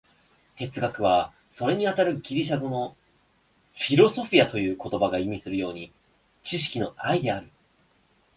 哲学は、それにあたるギリシア語の「フィロソフィア」という言葉が意味するように、知識の愛である。